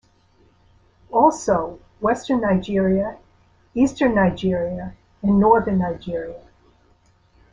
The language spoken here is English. Also western Nigeria, eastern Nigeria and northern Nigeria.